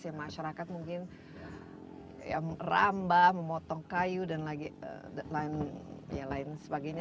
ya masyarakat mungkin ya rambah memotong kayu dan lain sebagainya